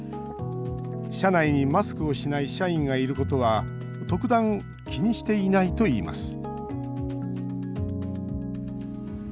社内にマスクをしない社員がいることは特段気にしていないといいます